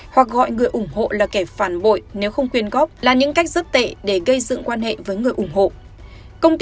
hoặc gọi người ủng hộ là kẻ phản bội nếu không có quyền góp